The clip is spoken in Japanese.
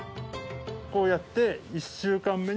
こうやって。